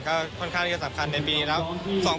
ก็ค่อนข้างก็สำคัญในปีนี้เท่านั้น